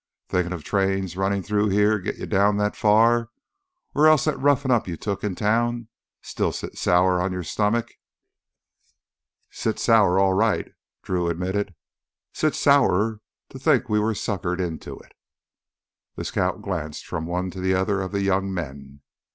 "Thinkin' of trains runnin' through here git you down that far? Or else that roughenin' up you took in town still sit sour on your stomach?" "Sits sour all right," Drew admitted. "Sits sourer to think we were suckered into it." The scout glanced from one to the other of the young men.